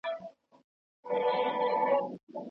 وروسته ئې په اړه تصميم نيول سخت کار وي!